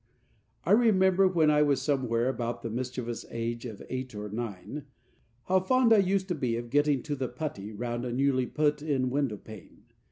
I remember, when I was somewhere about the mischievous age of eight or nine, how fond I used to be of getting to the putty round a newly put in window pane.